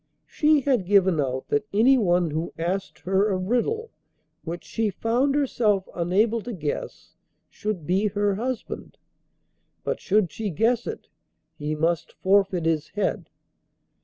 She had given out that anyone who asked her a riddle which she found herself unable to guess should be her husband, but should she guess it he must forfeit his head.